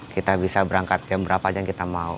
kita bisa berangkat jam berapa aja kita mau